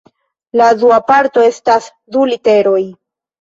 La dua parto estas du literoj.